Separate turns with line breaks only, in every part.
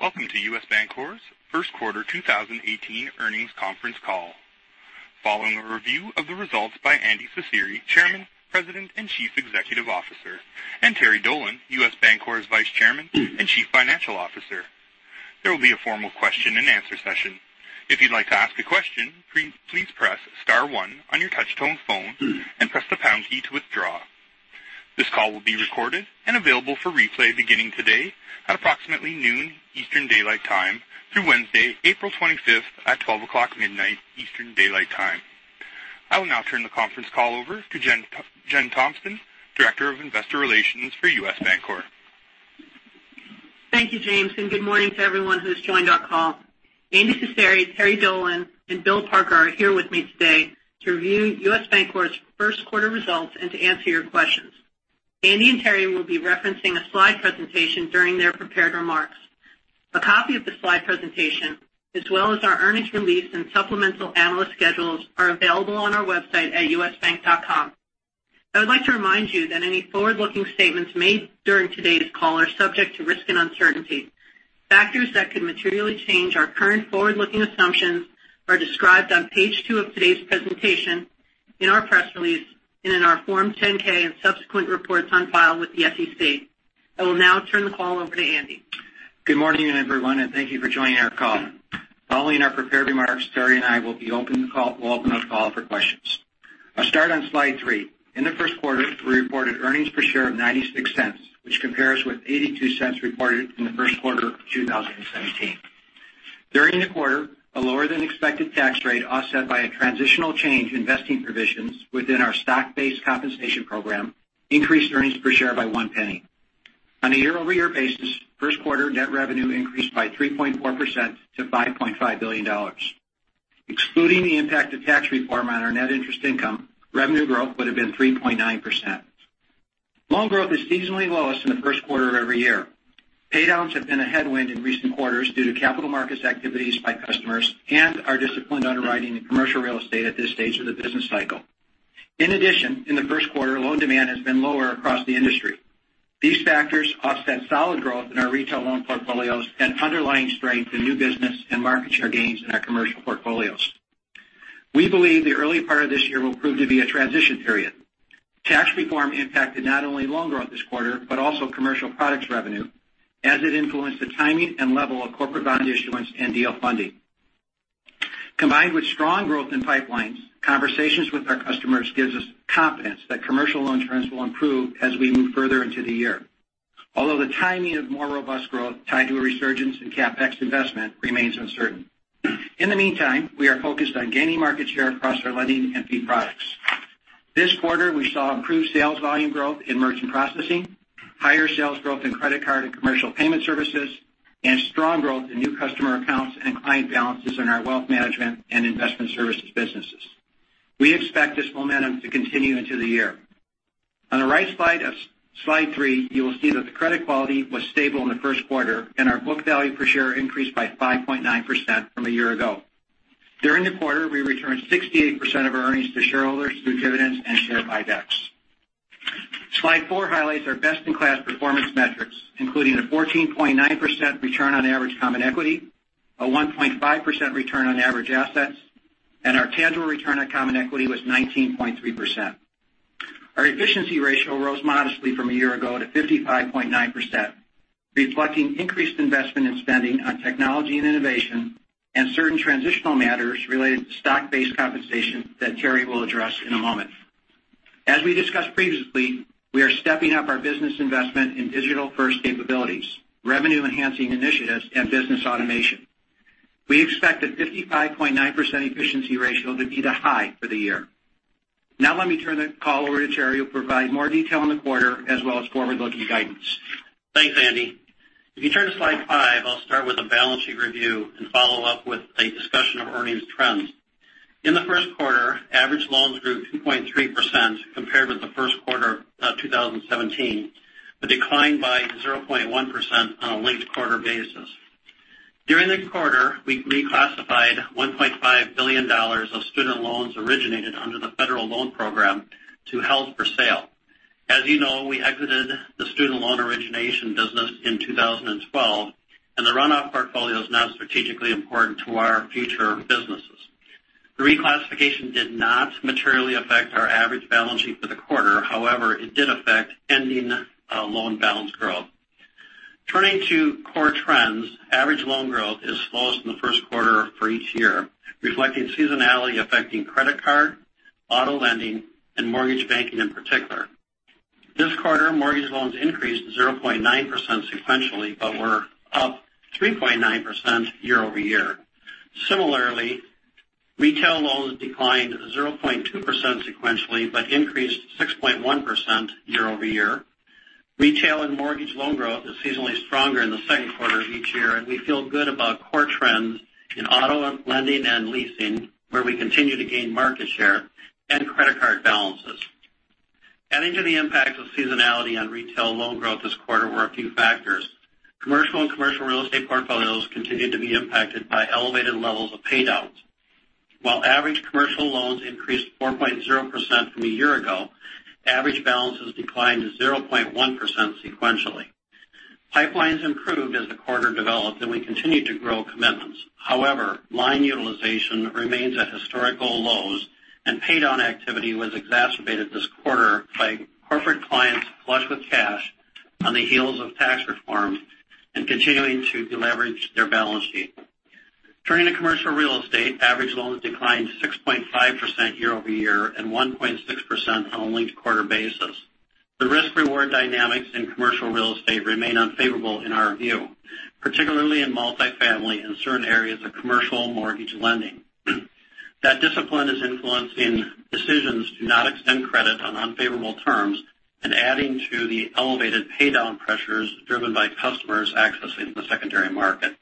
Welcome to U.S. Bancorp's first quarter 2018 earnings conference call. Following a review of the results by Andy Cecere, Chairman, President, and Chief Executive Officer, and Terry Dolan, U.S. Bancorp's Vice Chairman and Chief Financial Officer, there will be a formal question and answer session. If you'd like to ask a question, please press *1 on your touch-tone phone and press the pound key to withdraw. This call will be recorded and available for replay beginning today at approximately noon Eastern Daylight Time through Wednesday, April 25th at twelve o'clock midnight Eastern Daylight Time. I will now turn the conference call over to Jen Thompson, Director of Investor Relations for U.S. Bancorp.
Thank you, James, and good morning to everyone who's joined our call. Andy Cecere, Terry Dolan, and Bill Parker are here with me today to review U.S. Bancorp's first quarter results and to answer your questions. Andy and Terry will be referencing a slide presentation during their prepared remarks. A copy of the slide presentation, as well as our earnings release and supplemental analyst schedules, are available on our website at usbank.com. I would like to remind you that any forward-looking statements made during today's call are subject to risk and uncertainty. Factors that could materially change our current forward-looking assumptions are described on page two of today's presentation, in our press release, and in our Form 10-K and subsequent reports on file with the SEC. I will now turn the call over to Andy.
Good morning, everyone. Thank you for joining our call. Following our prepared remarks, Terry and I will open up the call for questions. I'll start on slide three. In the first quarter, we reported earnings per share of $0.96, which compares with $0.82 reported in the first quarter of 2017. During the quarter, a lower-than-expected tax rate offset by a transitional change in vesting provisions within our stock-based compensation program increased earnings per share by $0.01. On a year-over-year basis, first quarter net revenue increased by 3.4% to $5.5 billion. Excluding the impact of tax reform on our net interest income, revenue growth would have been 3.9%. Loan growth is seasonally lowest in the first quarter of every year. Paydowns have been a headwind in recent quarters due to capital markets activities by customers and our disciplined underwriting in commercial real estate at this stage of the business cycle. In the first quarter, loan demand has been lower across the industry. These factors offset solid growth in our retail loan portfolios and underlying strength in new business and market share gains in our commercial portfolios. We believe the early part of this year will prove to be a transition period. Tax reform impacted not only loan growth this quarter but also commercial products revenue, as it influenced the timing and level of corporate bond issuance and deal funding. Combined with strong growth in pipelines, conversations with our customers gives us confidence that commercial loan trends will improve as we move further into the year. Although the timing of more robust growth tied to a resurgence in CapEx investment remains uncertain. In the meantime, we are focused on gaining market share across our lending and fee products. This quarter, we saw improved sales volume growth in merchant processing, higher sales growth in credit card and commercial payment services, and strong growth in new customer accounts and client balances in our wealth management and investment services businesses. We expect this momentum to continue into the year. On the right side of slide three, you will see that the credit quality was stable in the first quarter, and our book value per share increased by 5.9% from a year ago. During the quarter, we returned 68% of our earnings to shareholders through dividends and share buybacks. Slide four highlights our best-in-class performance metrics, including a 14.9% return on average common equity, a 1.5% return on average assets, and our tangible return on common equity was 19.3%. Our efficiency ratio rose modestly from a year ago to 55.9%, reflecting increased investment in spending on technology and innovation and certain transitional matters related to stock-based compensation that Terry will address in a moment. As we discussed previously, we are stepping up our business investment in digital-first capabilities, revenue-enhancing initiatives, and business automation. We expect a 55.9% efficiency ratio to be the high for the year. Now let me turn the call over to Terry who will provide more detail on the quarter as well as forward-looking guidance.
Thanks, Andy. If you turn to slide five, I'll start with a balance sheet review and follow up with a discussion of earnings trends. In the first quarter, average loans grew 2.3% compared with the first quarter of 2017, but declined by 0.1% on a linked-quarter basis. During the quarter, we reclassified $1.5 billion of student loans originated under the federal loan program to held-for-sale. As you know, we exited the student loan origination business in 2012, and the runoff portfolio is not strategically important to our future businesses. The reclassification did not materially affect our average balance sheet for the quarter. However, it did affect ending loan balance growth. Turning to core trends, average loan growth is slowest in the first quarter for each year, reflecting seasonality affecting credit card, auto lending, and mortgage banking in particular. This quarter, mortgage loans increased 0.9% sequentially, but were up 3.9% year over year. Similarly, retail loans declined 0.2% sequentially, but increased 6.1% year over year. Retail and mortgage loan growth is seasonally stronger in the second quarter of each year, and we feel good about core trends in auto lending and leasing, where we continue to gain market share and credit card balances. Adding to the impacts of seasonality on retail loan growth this quarter were a few factors. Commercial and commercial real estate portfolios continued to be impacted by elevated levels of paydown. While average commercial loans increased 4.0% from a year ago, average balances declined to 0.1% sequentially. Pipelines improved as the quarter developed, and we continued to grow commitments. Line utilization remains at historical lows, and pay-down activity was exacerbated this quarter by corporate clients flush with cash on the heels of tax reform and continuing to deleverage their balance sheet. Turning to commercial real estate, average loans declined 6.5% year-over-year and 1.6% on a linked-quarter basis. The risk-reward dynamics in commercial real estate remain unfavorable in our view, particularly in multifamily and certain areas of commercial mortgage lending. That discipline is influencing decisions to not extend credit on unfavorable terms and adding to the elevated pay-down pressures driven by customers accessing the secondary market.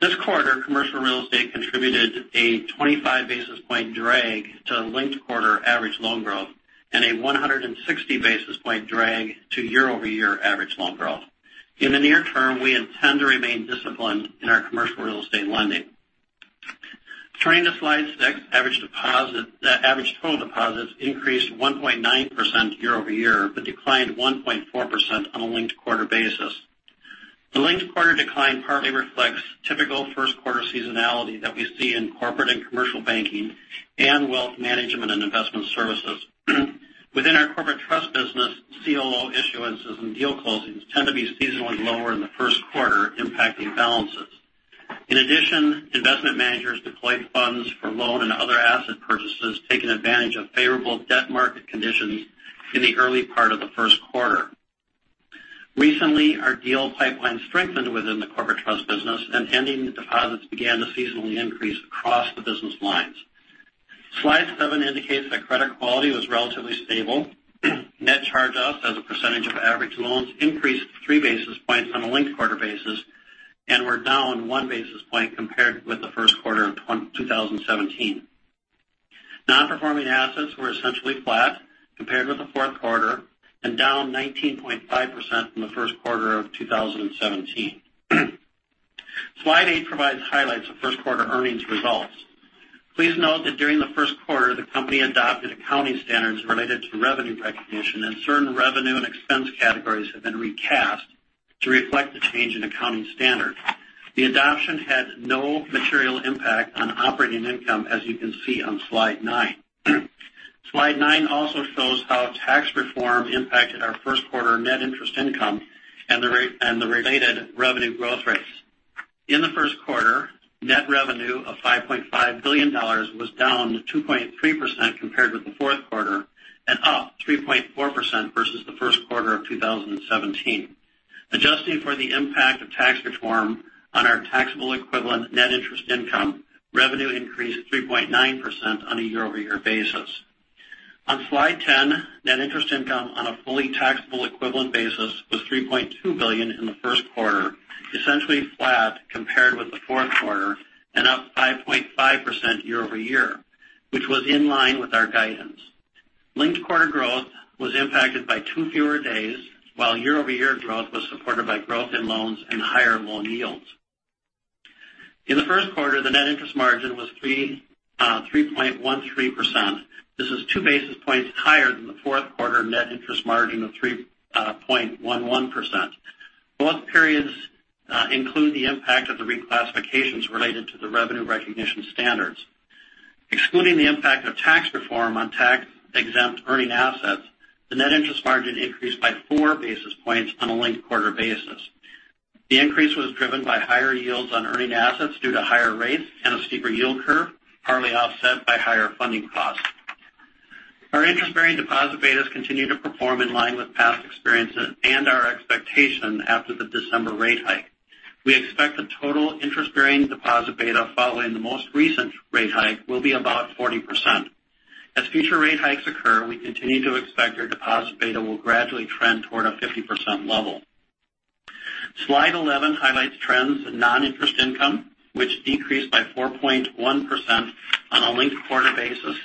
This quarter, commercial real estate contributed a 25 basis point drag to linked-quarter average loan growth and a 160 basis point drag to year-over-year average loan growth. In the near term, we intend to remain disciplined in our commercial real estate lending. Turning to slide six, average total deposits increased 1.9% year-over-year but declined 1.4% on a linked-quarter basis. The linked-quarter decline partly reflects typical first quarter seasonality that we see in corporate and commercial banking and wealth management and investment services. Within our corporate trust business, CLO issuances and deal closings tend to be seasonally lower in the first quarter, impacting balances. Investment managers deployed funds for loan and other asset purchases, taking advantage of favorable debt market conditions in the early part of the first quarter. Recently, our deal pipeline strengthened within the corporate trust business, and ending deposits began to seasonally increase across the business lines. Slide seven indicates that credit quality was relatively stable. Net charge-offs as a percentage of average loans increased three basis points on a linked-quarter basis and were down one basis point compared with the first quarter of 2017. Non-performing assets were essentially flat compared with the fourth quarter and down 19.5% from the first quarter of 2017. Slide eight provides highlights of first-quarter earnings results. Please note that during the first quarter, the company adopted accounting standards related to revenue recognition, and certain revenue and expense categories have been recast to reflect the change in accounting standards. The adoption had no material impact on operating income, as you can see on slide nine. Slide nine also shows how tax reform impacted our first quarter net interest income and the related revenue growth rates. In the first quarter, net revenue of $5.5 billion was down 2.3% compared with the fourth quarter and up 3.4% versus the first quarter of 2017. Adjusting for the impact of tax reform on our taxable equivalent net interest income, revenue increased 3.9% on a year-over-year basis. On slide 10, net interest income on a fully taxable equivalent basis was $3.2 billion in the first quarter, essentially flat compared with the fourth quarter and up 5.5% year-over-year, which was in line with our guidance. Linked-quarter growth was impacted by two fewer days, while year-over-year growth was supported by growth in loans and higher loan yields. In the first quarter, the net interest margin was 3.13%. This is two basis points higher than the fourth quarter net interest margin of 3.11%. Both periods include the impact of the reclassifications related to the revenue recognition standards. Excluding the impact of tax reform on tax-exempt earning assets, the net interest margin increased by four basis points on a linked-quarter basis. The increase was driven by higher yields on earning assets due to higher rates and a steeper yield curve, partly offset by higher funding costs. Our interest-bearing deposit betas continue to perform in line with past experiences and our expectation after the December rate hike. We expect the total interest-bearing deposit beta following the most recent rate hike will be about 40%. As future rate hikes occur, we continue to expect our deposit beta will gradually trend toward a 50% level. Slide 11 highlights trends in non-interest income, which decreased by 4.1% on a linked-quarter basis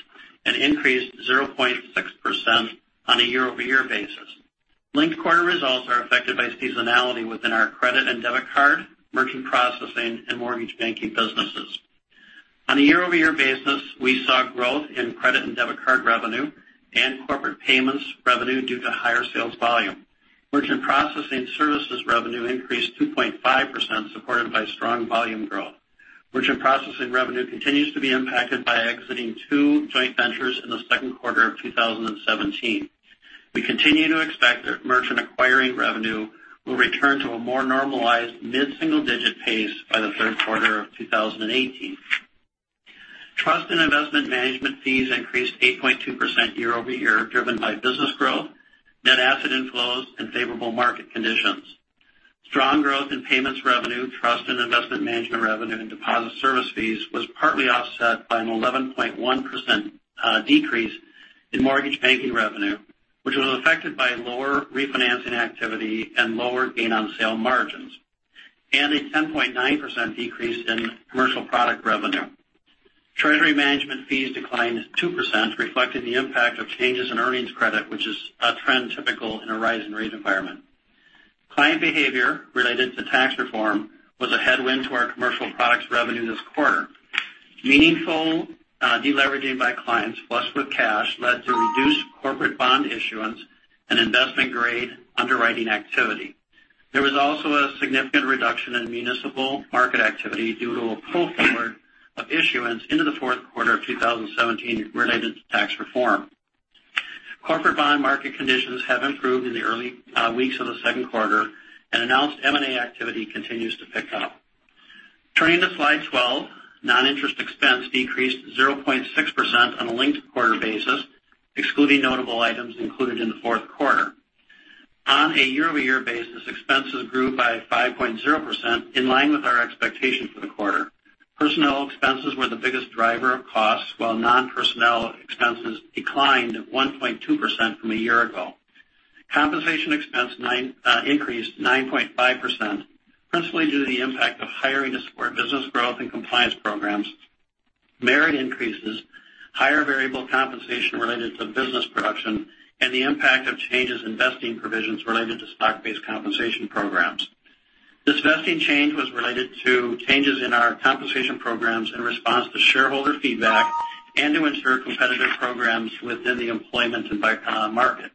and increased 0.6% on a year-over-year basis. Linked-quarter results are affected by seasonality within our credit and debit card, merchant processing, and mortgage banking businesses. On a year-over-year basis, we saw growth in credit and debit card revenue and corporate payments revenue due to higher sales volume. Merchant processing services revenue increased 2.5%, supported by strong volume growth. Merchant processing revenue continues to be impacted by exiting two joint ventures in the second quarter of 2017. We continue to expect that merchant acquiring revenue will return to a more normalized mid-single-digit pace by the third quarter of 2018. Trust and investment management fees increased 8.2% year-over-year, driven by business growth, net asset inflows, and favorable market conditions. Strong growth in payments revenue, trust and investment management revenue, and deposit service fees was partly offset by an 11.1% decrease in mortgage banking revenue, which was affected by lower refinancing activity and lower gain on sale margins and a 10.9% decrease in commercial product revenue. Treasury management fees declined 2%, reflecting the impact of changes in earnings credit, which is a trend typical in a rise in rate environment. Client behavior related to tax reform was a headwind to our commercial products revenue this quarter. Meaningful de-leveraging by clients flush with cash led to reduced corporate bond issuance and investment-grade underwriting activity. There was also a significant reduction in municipal market activity due to a pull forward of issuance into the fourth quarter of 2017 related to tax reform. Corporate bond market conditions have improved in the early weeks of the second quarter, and announced M&A activity continues to pick up. Turning to Slide 12, non-interest expense decreased 0.6% on a linked-quarter basis, excluding notable items included in the fourth quarter. On a year-over-year basis, expenses grew by 5.0%, in line with our expectations for the quarter. Personnel expenses were the biggest driver of costs, while non-personnel expenses declined 1.2% from a year ago. Compensation expense increased 9.5%, principally due to the impact of hiring to support business growth and compliance programs, merit increases, higher variable compensation related to business production, and the impact of changes in vesting provisions related to stock-based compensation programs. This vesting change was related to changes in our compensation programs in response to shareholder feedback and to ensure competitive programs within the employment and (by market).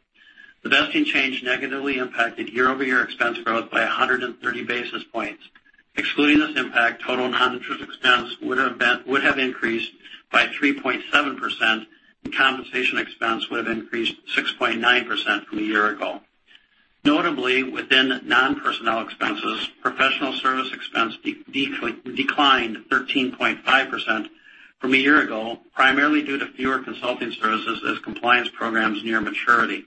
The vesting change negatively impacted year-over-year expense growth by 130 basis points. Excluding this impact, total non-interest expense would have increased by 3.7%, and compensation expense would've increased 6.9% from a year ago. Notably, within non-personnel expenses, professional service expense declined 13.5% from a year ago, primarily due to fewer consulting services as compliance programs near maturity.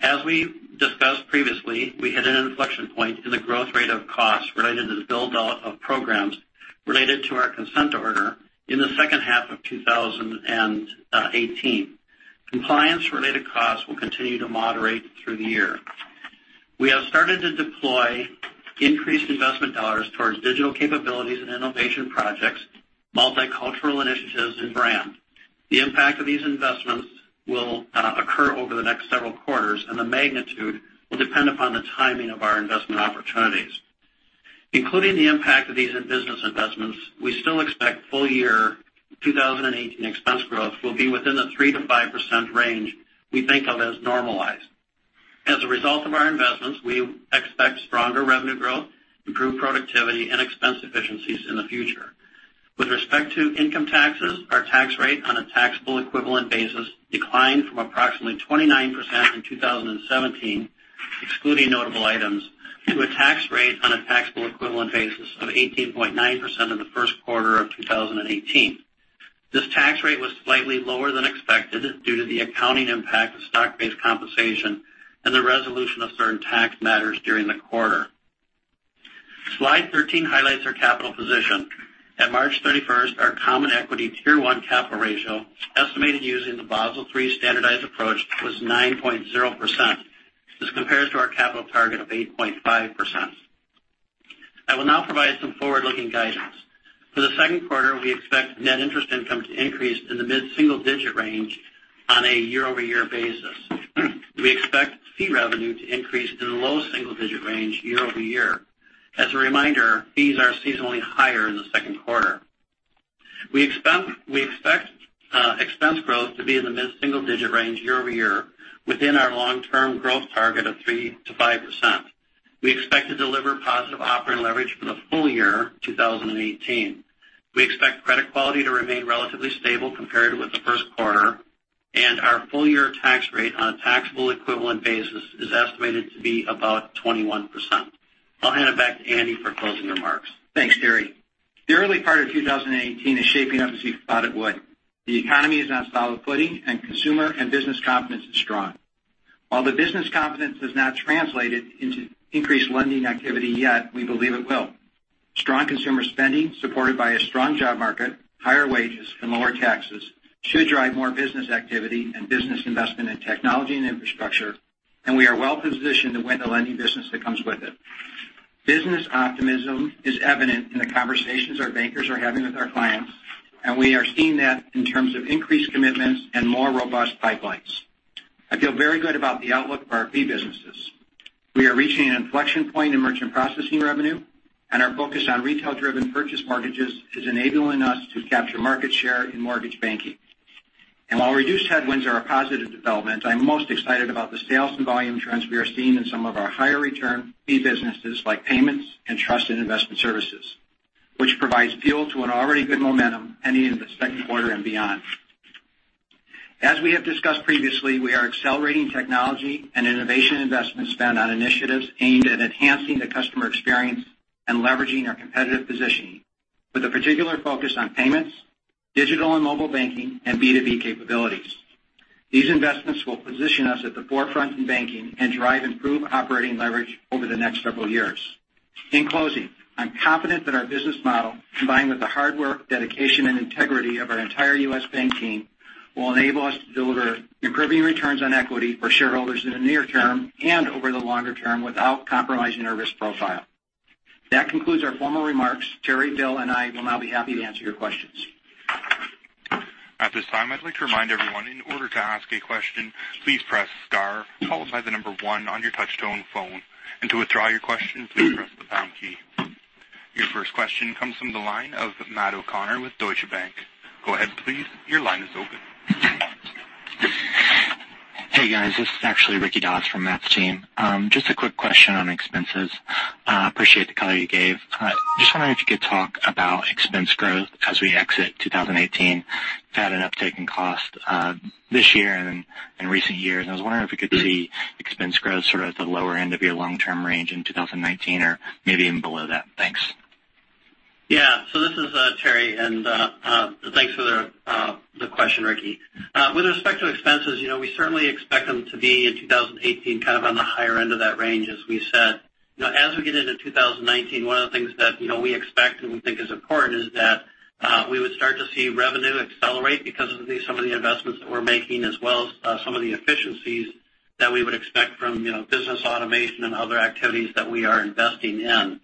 As we discussed previously, we hit an inflection point in the growth rate of costs related to the build-out of programs related to our consent order in the second half of 2018. Compliance-related costs will continue to moderate through the year. We have started to deploy increased investment dollars towards digital capabilities and innovation projects, multicultural initiatives, and brand. The impact of these investments will occur over the next several quarters, the magnitude will depend upon the timing of our investment opportunities. Including the impact of these business investments, we still expect full year 2018 expense growth will be within the 3%-5% range we think of as normalized. As a result of our investments, we expect stronger revenue growth, improved productivity, and expense efficiencies in the future. With respect to income taxes, our tax rate on a taxable equivalent basis declined from approximately 29% in 2017, excluding notable items, to a tax rate on a taxable equivalent basis of 18.9% in the first quarter of 2018. This tax rate was slightly lower than expected due to the accounting impact of stock-based compensation and the resolution of certain tax matters during the quarter. Slide 13 highlights our capital position. At March 31st, our common equity Tier 1 capital ratio, estimated using the Basel III standardized approach, was 9.0%. This compares to our capital target of 8.5%. I will now provide some forward-looking guidance. For the second quarter, we expect net interest income to increase in the mid-single-digit range on a year-over-year basis. We expect fee revenue to increase in the low single-digit range year over year. As a reminder, fees are seasonally higher in the second quarter. We expect expense growth to be in the mid-single-digit range year over year, within our long-term growth target of 3%-5%. We expect to deliver positive operating leverage for the full year 2018. We expect credit quality to remain relatively stable compared with the first quarter, and our full-year tax rate on a taxable equivalent basis is estimated to be about 21%. I'll hand it back to Andy for closing remarks.
Thanks, Terry. The early part of 2018 is shaping up as we thought it would. The economy is on solid footing, consumer and business confidence is strong. While the business confidence has not translated into increased lending activity yet, we believe it will. Strong consumer spending, supported by a strong job market, higher wages, and lower taxes, should drive more business activity and business investment in technology and infrastructure, we are well-positioned to win the lending business that comes with it. Business optimism is evident in the conversations our bankers are having with our clients, we are seeing that in terms of increased commitments and more robust pipelines. I feel very good about the outlook for our fee businesses. We are reaching an inflection point in merchant processing revenue, our focus on retail-driven purchase mortgages is enabling us to capture market share in mortgage banking. While reduced headwinds are a positive development, I'm most excited about the sales and volume trends we are seeing in some of our higher return fee businesses like payments and trust and investment services, which provides fuel to an already good momentum heading into the second quarter and beyond. As we have discussed previously, we are accelerating technology and innovation investment spend on initiatives aimed at enhancing the customer experience and leveraging our competitive positioning, with a particular focus on payments, digital and mobile banking, and B2B capabilities. These investments will position us at the forefront in banking and drive improved operating leverage over the next several years. In closing, I'm confident that our business model, combined with the hard work, dedication, and integrity of our entire U.S. Bank team, will enable us to deliver improving returns on equity for shareholders in the near term and over the longer term without compromising our risk profile. That concludes our formal remarks. Terry, Bill, and I will now be happy to answer your questions.
At this time, I'd like to remind everyone, in order to ask a question, please press star followed by the number one on your touch-tone phone. To withdraw your question, please press the pound key. Your first question comes from the line of Matt O'Connor with Deutsche Bank. Go ahead, please. Your line is open.
Hey, guys. This is actually Ricky Das from Matt's team. Just a quick question on expenses. Appreciate the color you gave. Just wondering if you could talk about expense growth as we exit 2018. Had an uptick in cost this year and in recent years. I was wondering if we could see expense growth sort of at the lower end of your long-term range in 2019 or maybe even below that. Thanks.
This is Terry, thanks for the question, Ricky. With respect to expenses, we certainly expect them to be in 2018 kind of on the higher end of that range, as we said. As we get into 2019, one of the things that we expect and we think is important is that we would start to see revenue accelerate because of some of the investments that we're making, as well as some of the efficiencies that we would expect from business automation and other activities that we are investing in.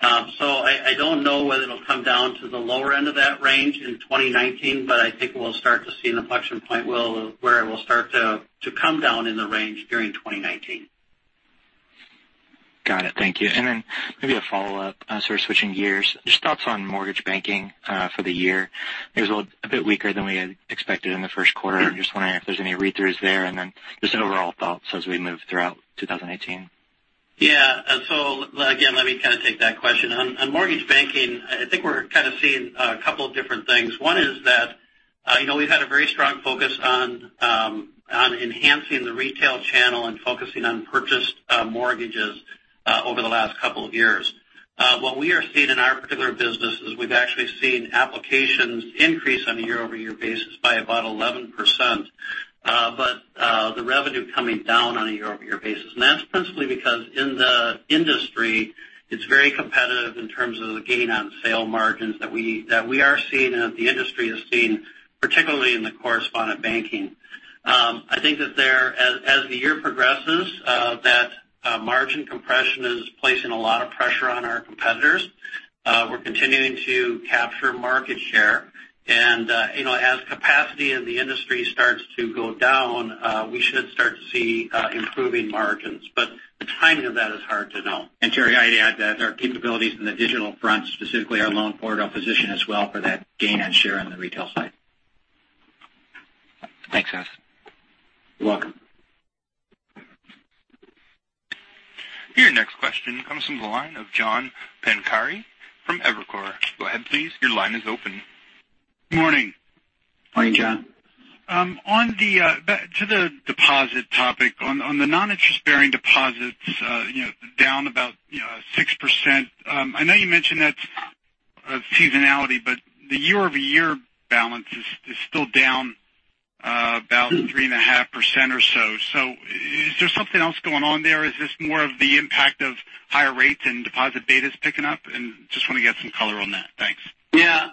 I don't know whether it'll come down to the lower end of that range in 2019, but I think we'll start to see an inflection point where it will start to come down in the range during 2019.
Got it. Thank you. Maybe a follow-up, sort of switching gears, just thoughts on mortgage banking for the year. It was a bit weaker than we had expected in the first quarter. I'm just wondering if there's any read-throughs there, and then just overall thoughts as we move throughout 2018.
Yeah. Again, let me kind of take that question. On mortgage banking, I think we're kind of seeing a couple of different things. One is that we've had a very strong focus on enhancing the retail channel and focusing on purchased mortgages over the last couple of years. What we are seeing in our particular business is we've actually seen applications increase on a year-over-year basis by about 11%, but the revenue coming down on a year-over-year basis. That's principally because in the industry, it's very competitive in terms of the gain on sale margins that we are seeing and that the industry is seeing, particularly in the correspondent banking. I think that as the year progresses, that margin compression is placing a lot of pressure on our competitors. We're continuing to capture market share. As capacity in the industry starts to go down, we should start to see improving margins, the timing of that is hard to know.
Terry, I'd add that our capabilities in the digital front, specifically our loan portal position as well for that gain and share on the retail side.
Thanks, guys.
You're welcome.
Your next question comes from the line of John Pancari from Evercore. Go ahead, please. Your line is open.
Morning.
Morning, John.
To the deposit topic, on the non-interest bearing deposits, down about 6%. I know you mentioned that's seasonality, but the year-over-year balance is still down about 3.5% or so. Is there something else going on there? Is this more of the impact of higher rates and deposit betas picking up? I just want to get some color on that. Thanks.
Yeah.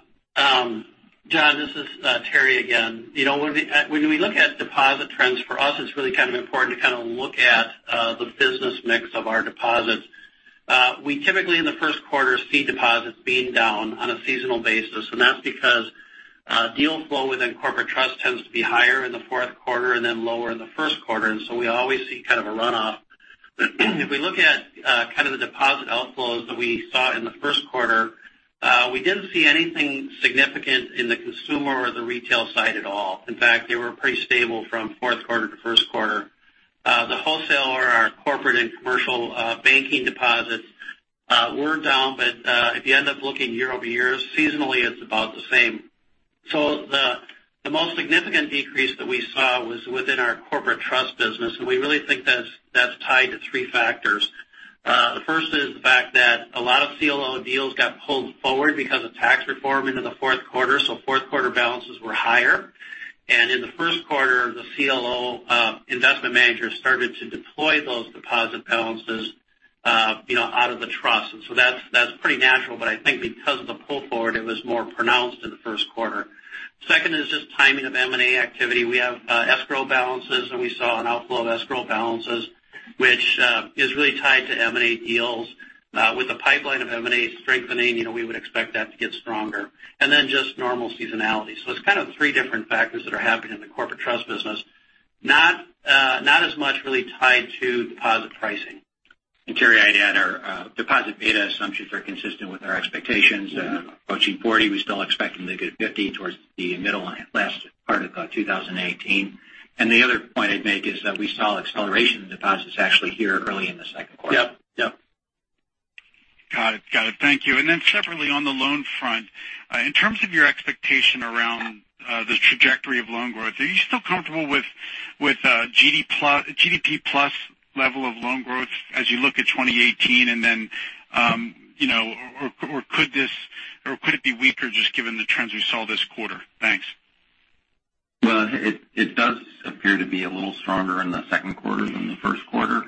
John, this is Terry again. When we look at deposit trends, for us, it's really kind of important to kind of look at the business mix of our deposits. We typically, in the first quarter, see deposits being down on a seasonal basis, and that's because deal flow within corporate trust tends to be higher in the fourth quarter and then lower in the first quarter. We always see kind of a runoff. If we look at kind of the deposit outflows that we saw in the first quarter, we didn't see anything significant in the consumer or the retail side at all. In fact, they were pretty stable from fourth quarter to first quarter. The wholesale, our corporate and commercial banking deposits were down. If you end up looking year-over-year, seasonally, it's about the same. The most significant decrease that we saw was within our corporate trust business, and we really think that's tied to three factors. The first is the fact that a lot of CLO deals got pulled forward because of tax reform into the fourth quarter. Fourth quarter balances were higher. In the first quarter, the CLO investment managers started to deploy those deposit balances out of the trust. That's pretty natural, but I think because of the pull forward, it was more pronounced in the first quarter. Second is just timing of M&A activity. We have escrow balances, we saw an outflow of escrow balances, which is really tied to M&A deals. With the pipeline of M&A strengthening, we would expect that to get stronger. Just normal seasonality. It's kind of three different factors that are happening in the corporate trust business, not as much really tied to deposit pricing.
Terry, I'd add our deposit beta assumptions are consistent with our expectations. Approaching 40, we still expecting to get 50 towards the middle and last part of 2018. The other point I'd make is that we saw acceleration in deposits actually here early in the second quarter.
Yep.
Got it. Thank you. Separately on the loan front, in terms of your expectation around the trajectory of loan growth, are you still comfortable with GDP plus level of loan growth as you look at 2018? Could it be weaker just given the trends we saw this quarter? Thanks.
Well, it does appear to be a little stronger in the second quarter than the first quarter.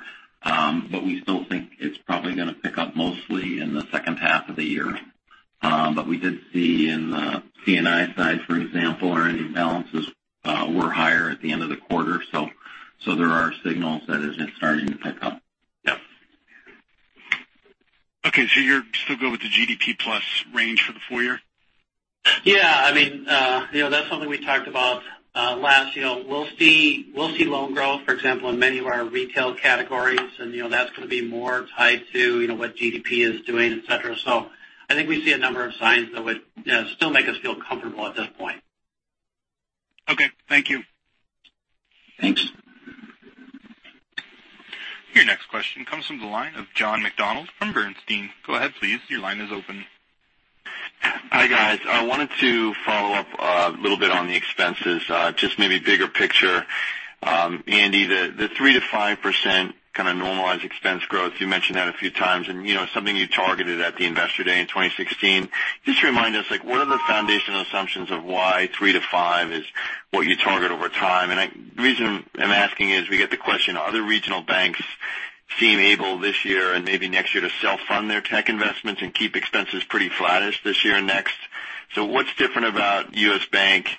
We still think it's probably going to pick up mostly in the second half of the year. We did see in the C&I side, for example, earning balances were higher at the end of the quarter. There are signals that it's starting to pick up.
Okay, you still go with the GDP plus range for the full year?
Yeah. That's something we talked about last. We'll see loan growth, for example, in many of our retail categories, and that's going to be more tied to what GDP is doing, et cetera. I think we see a number of signs that would still make us feel comfortable at this point.
Okay, thank you.
Thanks.
Your next question comes from the line of John McDonald from Bernstein. Go ahead, please. Your line is open.
Hi, guys. I wanted to follow up a little bit on the expenses, just maybe bigger picture. Andy, the 3%-5% kind of normalized expense growth, you mentioned that a few times, and something you targeted at the Investor Day in 2016. Just remind us, like what are the foundational assumptions of why 3%-5% is what you target over time? The reason I'm asking is, we get the question, other regional banks seem able this year and maybe next year to self-fund their tech investments and keep expenses pretty flattish this year and next. What's different about U.S. Bank in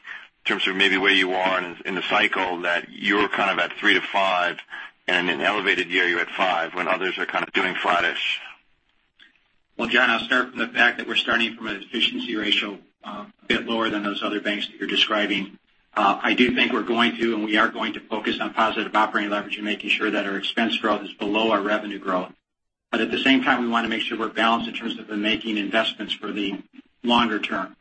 terms of maybe where you are in the cycle that you're kind of at 3%-5%, and in an elevated year, you're at 5%, when others are kind of doing flattish?
Well, John, I'll start from the fact that we're starting from an efficiency ratio a bit lower than those other banks that you're describing. I do think we are going to focus on positive operating leverage and making sure that our expense growth is below our revenue growth. At the same time, we want to make sure we're balanced in terms of then making investments for the longer term.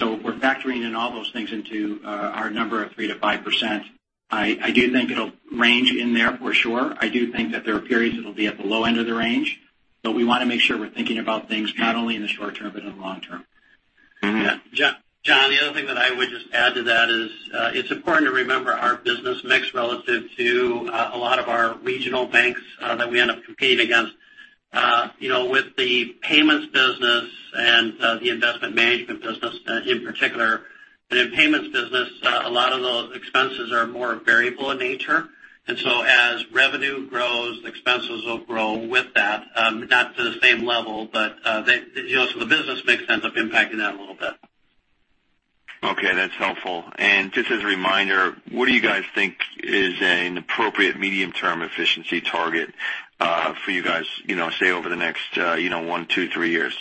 We're factoring in all those things into our number of 3% to 5%. I do think it'll range in there for sure. I do think that there are periods it'll be at the low end of the range, but we want to make sure we're thinking about things not only in the short term but in the long term.
Yeah. John, the other thing that I would just add to that is, it's important to remember our business mix relative to a lot of our regional banks that we end up competing against. With the payments business and the investment management business in particular, but in payments business, a lot of those expenses are more variable in nature. As revenue grows, expenses will grow with that, not to the same level. The business mix ends up impacting that a little bit.
Okay, that's helpful. Just as a reminder, what do you guys think is an appropriate medium-term efficiency target for you guys, say, over the next one, two, three years?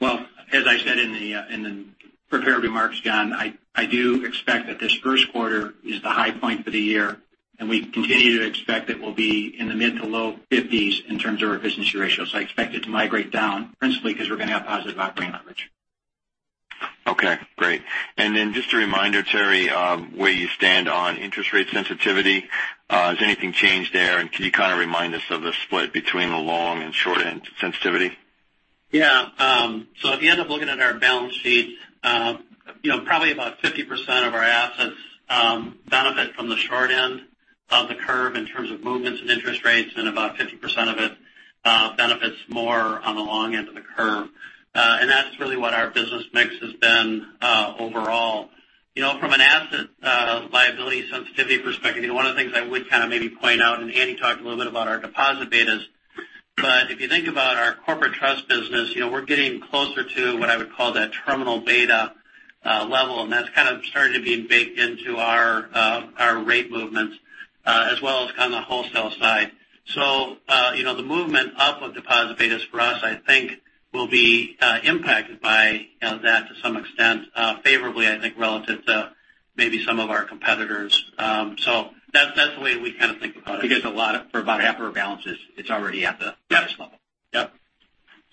Well, as I said in the prepared remarks, John, I do expect that this first quarter is the high point for the year, and we continue to expect it will be in the mid to low 50s in terms of our efficiency ratio. I expect it to migrate down principally because we're going to have positive operating leverage.
Okay, great. Then just a reminder, Terry, where you stand on interest rate sensitivity. Has anything changed there? Can you kind of remind us of the split between the long and short end sensitivity?
Yeah. If you end up looking at our balance sheet, probably about 50% of our assets benefit from the short end of the curve in terms of movements in interest rates, about 50% of it benefits more on the long end of the curve. That's really what our business mix has been, overall. From an asset liability sensitivity perspective, one of the things I would kind of maybe point out, Andy talked a little bit about our deposit betas. If you think about our corporate trust business, we're getting closer to what I would call that terminal beta level, and that's kind of starting to be baked into our rate movements, as well as kind of the wholesale side. The movement up of deposit betas for us, I think will be impacted by that to some extent, favorably, I think, relative to maybe some of our competitors. That's the way we kind of think about it.
For about half of our balances, it's already at the highest level.
Yep.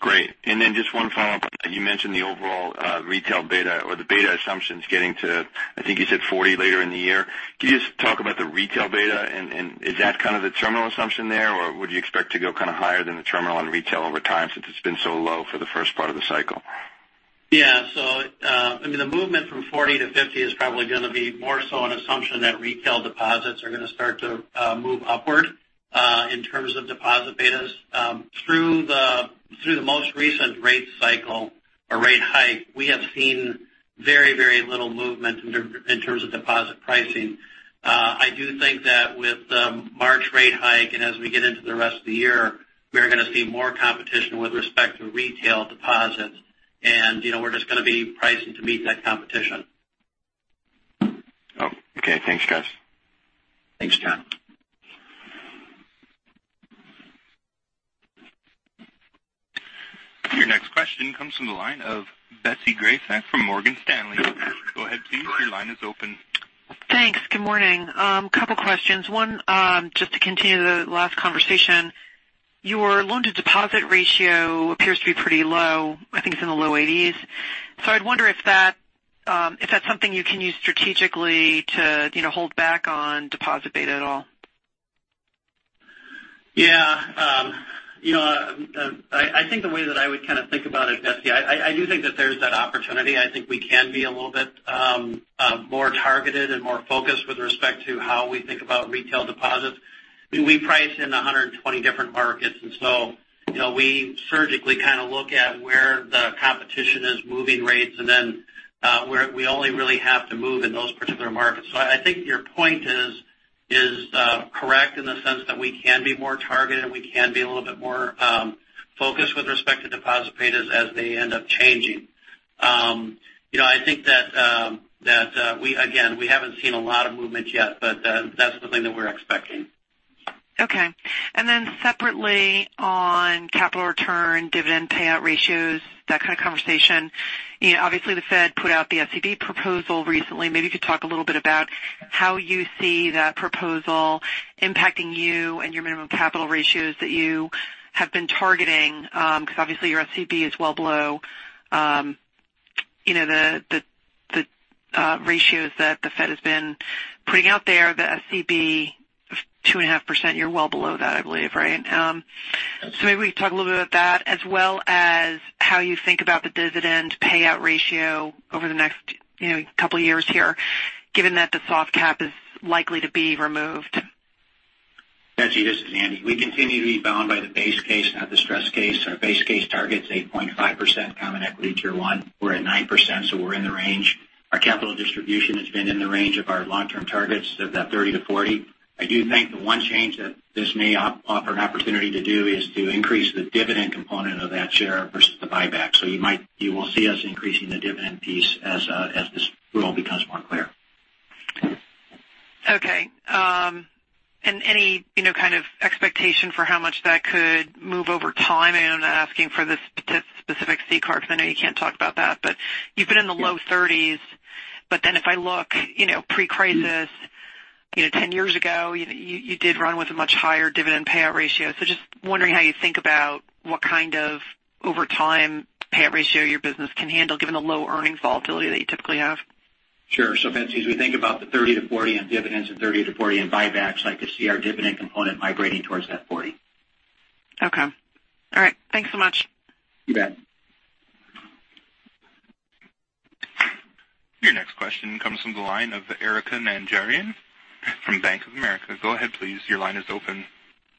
Great. Just one follow-up on that. You mentioned the overall retail beta or the beta assumptions getting to, I think you said 40 later in the year. Can you just talk about the retail beta and is that kind of the terminal assumption there, or would you expect to go kind of higher than the terminal on retail over time since it's been so low for the first part of the cycle?
Yeah. The movement from 40 to 50 is probably going to be more so an assumption that retail deposits are going to start to move upward, in terms of deposit betas. Through the most recent rate cycle or rate hike, we have seen very little movement in terms of deposit pricing. I do think that with the March rate hike and as we get into the rest of the year, we are going to see more competition with respect to retail deposits, and we're just going to be pricing to meet that competition.
Okay. Thanks, guys.
Thanks, John.
Your next question comes from the line of Betsy Graseck from Morgan Stanley. Go ahead, please. Your line is open.
Thanks. Good morning. Couple questions. One, just to continue the last conversation. Your loan to deposit ratio appears to be pretty low. I think it's in the low 80s. I'd wonder if that's something you can use strategically to hold back on deposit beta at all.
Yeah. I think the way that I would kind of think about it, Betsy, I do think that there's that opportunity. I think we can be a little bit more targeted and more focused with respect to how we think about retail deposits. We price in 120 different markets, and so we surgically kind of look at where the competition is moving rates, and then we only really have to move in those particular markets. I think your point is correct in the sense that we can be more targeted, we can be a little bit more focused with respect to deposit betas as they end up changing.
I think that, again, we haven't seen a lot of movement yet, that's something that we're expecting.
Okay. Separately on capital return, dividend payout ratios, that kind of conversation. Obviously, the Fed put out the SCB proposal recently. Maybe you could talk a little bit about how you see that proposal impacting you and your minimum capital ratios that you have been targeting. Because obviously your SCB is well below the ratios that the Fed has been putting out there, the SCB 2.5%, you're well below that, I believe, right? Maybe we can talk a little bit about that as well as how you think about the dividend payout ratio over the next couple of years here, given that the soft cap is likely to be removed.
Betsy, this is Andy. We continue to be bound by the base case, not the stress case. Our base case target's 8.5% common equity Tier 1. We're at 9%, we're in the range. Our capital distribution has been in the range of our long-term targets of that 30 to 40. I do think the one change that this may offer an opportunity to do is to increase the dividend component of that share versus the buyback. You will see us increasing the dividend piece as this rule becomes more clear.
Okay. Any kind of expectation for how much that could move over time? I know I'm not asking for the specific CCAR because I know you can't talk about that, but you've been in the low 30s. If I look pre-crisis, 10 years ago, you did run with a much higher dividend payout ratio. Just wondering how you think about what kind of over time payout ratio your business can handle given the low earnings volatility that you typically have.
Sure. Betsy, as we think about the 30 to 40 on dividends and 30 to 40 on buybacks, I could see our dividend component migrating towards that 40.
Okay. All right. Thanks so much.
You bet.
Your next question comes from the line of Erika Najarian from Bank of America. Go ahead, please. Your line is open.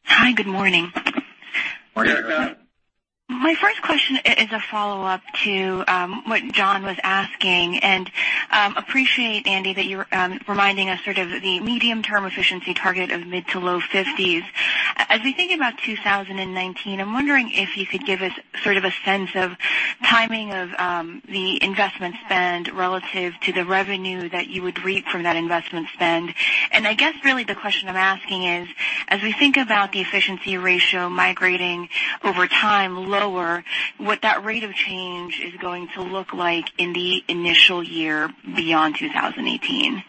Hi, good morning.
Morning, Erika.
My first question is a follow-up to what John was asking, appreciate, Andy, that you're reminding us sort of the medium-term efficiency target of mid to low 50s. As we think about 2019, I'm wondering if you could give us sort of a sense of timing of the investment spend relative to the revenue that you would reap from that investment spend. I guess really the question I'm asking is, as we think about the efficiency ratio migrating over time lower, what that rate of change is going to look like in the initial year beyond 2018?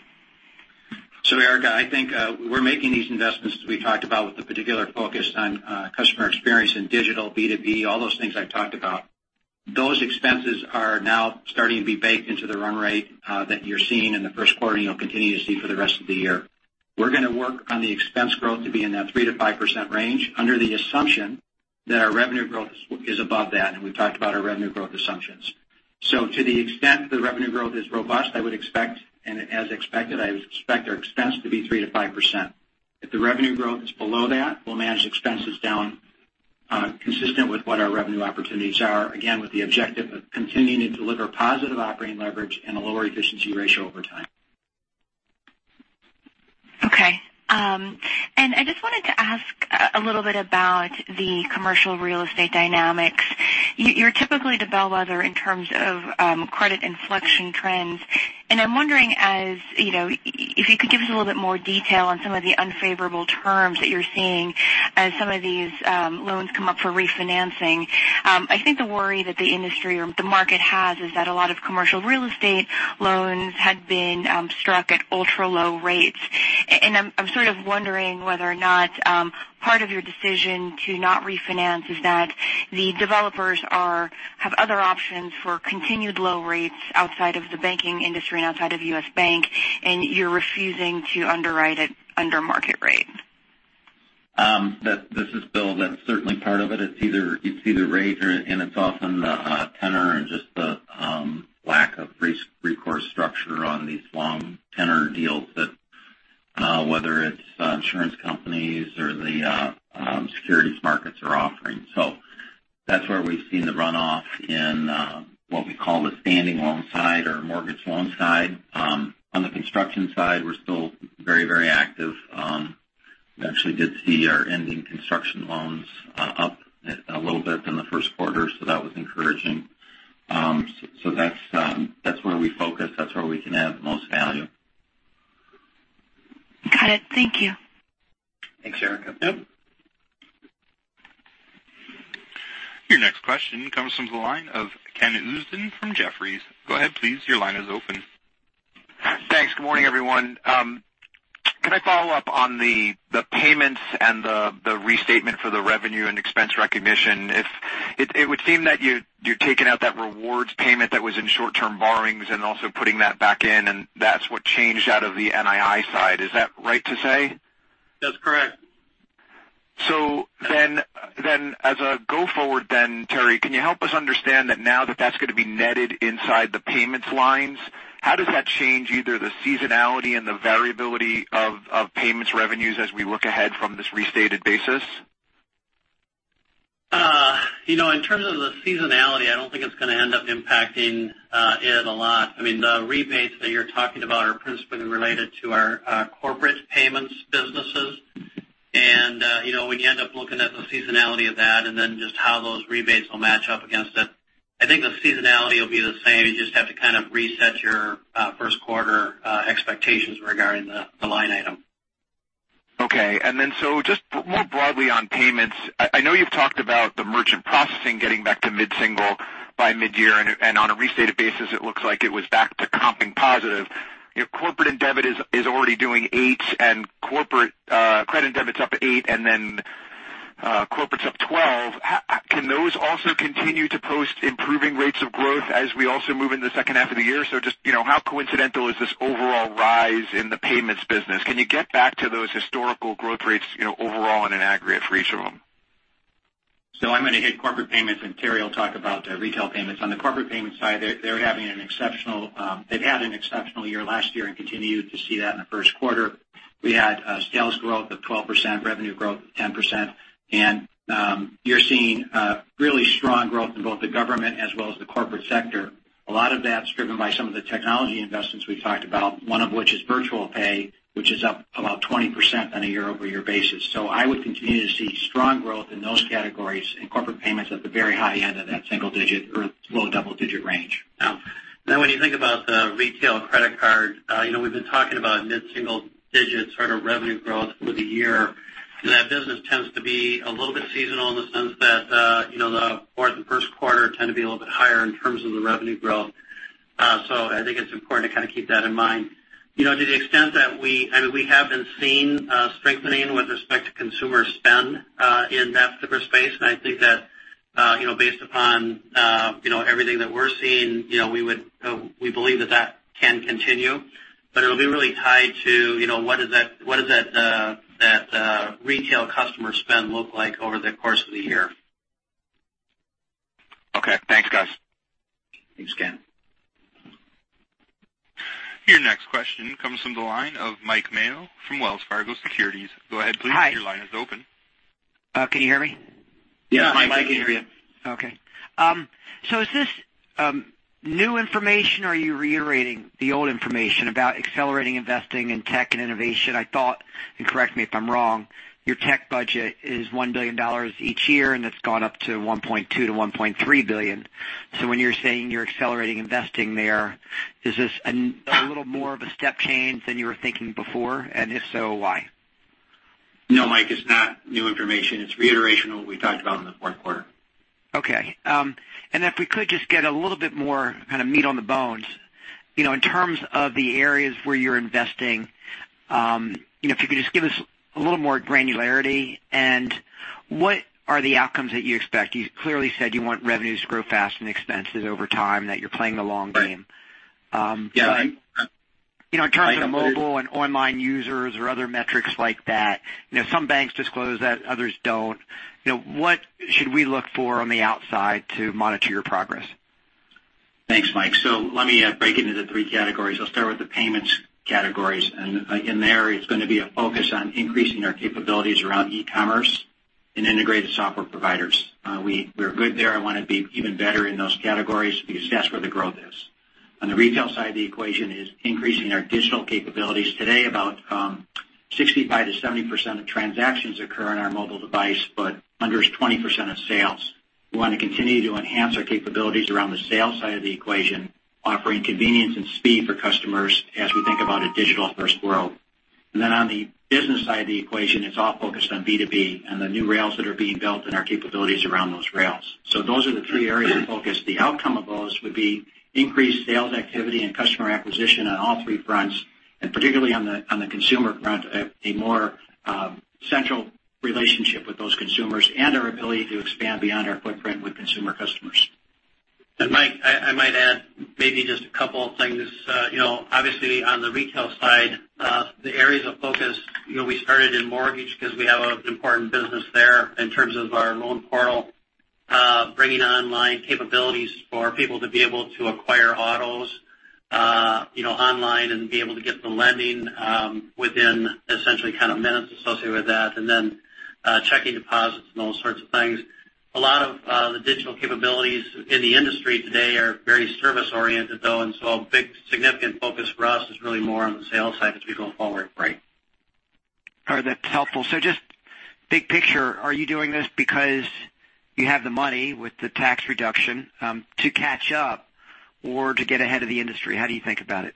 Erika, I think we're making these investments, as we talked about, with the particular focus on customer experience in digital, B2B, all those things I've talked about. Those expenses are now starting to be baked into the run rate that you're seeing in the first quarter and you'll continue to see for the rest of the year. We're going to work on the expense growth to be in that 3%-5% range under the assumption that our revenue growth is above that, we've talked about our revenue growth assumptions. To the extent the revenue growth is robust, I would expect, and as expected, I would expect our expense to be 3%-5%. If the revenue growth is below that, we'll manage expenses down consistent with what our revenue opportunities are. With the objective of continuing to deliver positive operating leverage and a lower efficiency ratio over time.
Okay. I just wanted to ask a little bit about the commercial real estate dynamics. You're typically the bellwether in terms of credit inflection trends, and I'm wondering if you could give us a little bit more detail on some of the unfavorable terms that you're seeing as some of these loans come up for refinancing. I think the worry that the industry or the market has is that a lot of commercial real estate loans had been struck at ultra-low rates. I'm sort of wondering whether or not part of your decision to not refinance is that the developers have other options for continued low rates outside of the banking industry and outside of U.S. Bank, and you're refusing to underwrite it under market rate.
This is Bill. That's certainly part of it. It's either rate, it's often the tenor and just the lack of recourse structure on these long tenor deals that whether it's insurance companies or the securities markets are offering. That's where we've seen the runoff in what we call the standing loan side or mortgage loan side. On the construction side, we're still very active. We actually did see our ending construction loans up a little bit in the first quarter, that was encouraging. That's where we focus. That's where we can add the most value.
Got it. Thank you.
Thanks, Erika.
Yep.
Your next question comes from the line of Ken Usdin from Jefferies. Go ahead please. Your line is open.
Thanks. Good morning, everyone. Can I follow up on the payments and the restatement for the revenue and expense recognition? It would seem that you're taking out that rewards payment that was in short-term borrowings and also putting that back in, and that's what changed out of the NII side. Is that right to say?
That's correct.
As a go forward then, Terry, can you help us understand that now that that's going to be netted inside the payments lines, how does that change either the seasonality and the variability of payments revenues as we look ahead from this restated basis?
In terms of the seasonality, I don't think it's going to end up impacting it a lot. The rebates that you're talking about are principally related to our corporate payments businesses. When you end up looking at the seasonality of that and then just how those rebates will match up against it, I think the seasonality will be the same. You just have to kind of reset your first quarter expectations regarding the line item.
Okay. Just more broadly on payments, I know you've talked about the merchant processing getting back to mid-single by mid-year. On a restated basis, it looks like it was back to comping positive. Corporate and debit is already doing 8%, Corporate credit and debit's up at 8%, Corporate's up 12%. Can those also continue to post improving rates of growth as we also move into the second half of the year? Just how coincidental is this overall rise in the payments business? Can you get back to those historical growth rates overall in an aggregate for each of them?
I'm going to hit corporate payments, Terry will talk about retail payments. On the corporate payments side, they've had an exceptional year last year and continue to see that in the first quarter. We had sales growth of 12%, revenue growth of 10%, and you're seeing really strong growth in both the government as well as the corporate sector. A lot of that's driven by some of the technology investments we've talked about, one of which is Virtual Pay, which is up about 20% on a year-over-year basis. I would continue to see strong growth in those categories in corporate payments at the very high end of that single digit or low double digit range.
When you think about the retail credit card, we've been talking about mid-single digits sort of revenue growth for the year. That business tends to be a little bit seasonal in the sense that the fourth and first quarter tend to be a little bit higher in terms of the revenue growth. I think it's important to kind of keep that in mind. To the extent that we haven't seen strengthening with respect to consumer spend in that specific space, I think that based upon everything that we're seeing, we believe that that can continue. It'll be really tied to what does that retail customer spend look like over the course of the year.
Okay. Thanks, guys.
Thanks again.
Your next question comes from the line of Mike Mayo from Wells Fargo Securities. Go ahead please.
Hi.
Your line is open.
Can you hear me?
Yeah, Mike, we can hear you.
Okay. Is this new information or are you reiterating the old information about accelerating investing in tech and innovation? I thought, and correct me if I'm wrong, your tech budget is $1 billion each year, and it's gone up to $1.2 billion-$1.3 billion. When you're saying you're accelerating investing there, is this a little more of a step change than you were thinking before, and if so, why?
No, Mike, it's not new information. It's reiteration of what we talked about in the fourth quarter.
If we could just get a little bit more kind of meat on the bones. In terms of the areas where you're investing, if you could just give us a little more granularity, and what are the outcomes that you expect? You clearly said you want revenues to grow faster than expenses over time, that you're playing the long game.
Right. Yeah.
In terms of mobile and online users or other metrics like that, some banks disclose that, others don't. What should we look for on the outside to monitor your progress?
Thanks, Mike. Let me break it into the 3 categories. I'll start with the payments categories. In there, it's going to be a focus on increasing our capabilities around e-commerce and integrated software providers. We're good there. I want to be even better in those categories because that's where the growth is. On the retail side of the equation is increasing our digital capabilities. Today, about 65%-70% of transactions occur on our mobile device, but under 20% of sales. We want to continue to enhance our capabilities around the sales side of the equation, offering convenience and speed for customers as we think about a digital-first world. On the business side of the equation, it's all focused on B2B and the new rails that are being built and our capabilities around those rails. Those are the three areas of focus. The outcome of those would be increased sales activity and customer acquisition on all three fronts, and particularly on the consumer front, a more central relationship with those consumers and our ability to expand beyond our footprint with consumer customers.
Mike, I might add maybe just a couple of things. Obviously, on the retail side, the areas of focus, we started in mortgage because we have an important business there in terms of our loan portal, bringing online capabilities for people to be able to acquire autos online and be able to get the lending within essentially kind of minutes associated with that, and then checking deposits and those sorts of things. A lot of the digital capabilities in the industry today are very service-oriented, though, and so a big significant focus for us is really more on the sales side as we go forward.
All right. That's helpful. Just big picture, are you doing this because you have the money with the tax reduction to catch up or to get ahead of the industry? How do you think about it?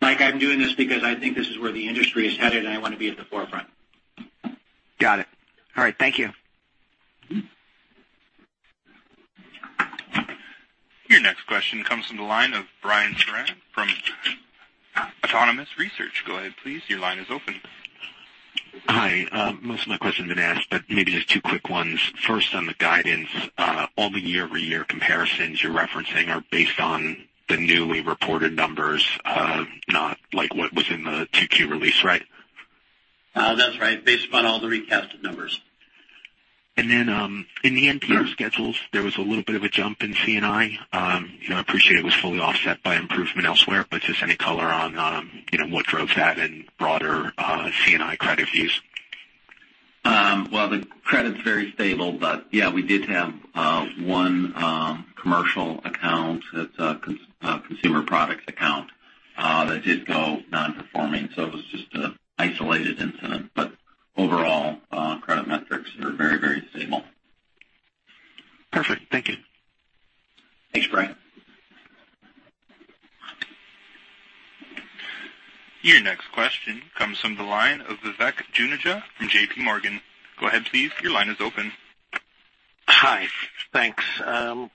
Mike, I'm doing this because I think this is where the industry is headed, and I want to be at the forefront.
Got it. All right. Thank you.
Your next question comes from the line of Brian Foran from Autonomous Research. Go ahead please. Your line is open.
Hi. Most of my question's been asked, but maybe just two quick ones. First, on the guidance, all the year-over-year comparisons you're referencing are based on the newly reported numbers, not like what was in the 2Q release, right?
That's right. Based upon all the recasted numbers.
In the NPR schedules, there was a little bit of a jump in C&I. I appreciate it was fully offset by improvement elsewhere, but just any color on what drove that and broader C&I credit views?
Well, the credit's very stable, but yeah, we did have one commercial account. It's a consumer products account that did go non-performing. It was just an isolated incident. Overall, credit metrics are very, very stable.
Perfect. Thank you.
Thanks, Brian.
Your next question comes from the line of Vivek Juneja from JPMorgan. Go ahead, please. Your line is open.
Hi. Thanks.